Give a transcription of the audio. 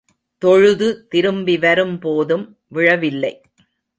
தொழுது திரும்பி வரும் போதும் விழவில்லை.